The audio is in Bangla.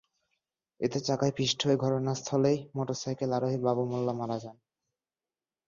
এতে চাকায় পিষ্ট হয়ে ঘটনাস্থলেই মোটরসাইকেল আরোহী বাবু মোল্যা মারা যান।